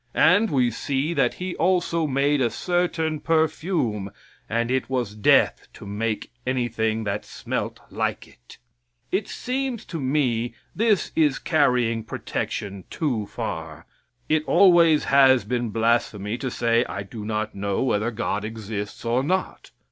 And we see that He also made a certain perfume and it was death to make anything that smelt like it. It seems to me this is carrying protection too far. It always has been blasphemy to say "I do not know whether God exists or not."